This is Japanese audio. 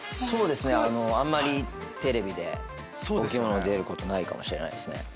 そうですねあんまりテレビでお着物で出ることないかもしれないですね。